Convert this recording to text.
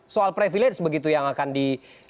soal privilege begitu yang akan di